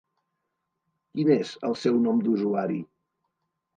Quin és el seu nom d'usuari?